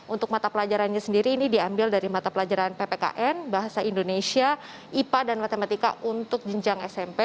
untuk mata pelajarannya sendiri ini diambil dari mata pelajaran ppkn bahasa indonesia ipa dan matematika untuk jenjang smp